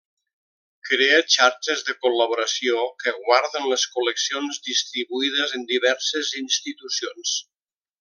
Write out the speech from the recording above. Crea xarxes de col·laboració que guarden les col·leccions distribuïdes en diverses institucions.